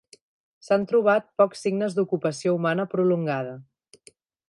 S'han trobat pocs signes d'ocupació humana prolongada.